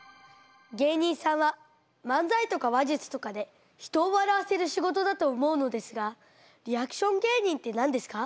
芸人さんは漫才とか話術とかで人を笑わせる仕事だと思うのですがリアクション芸人って何ですか？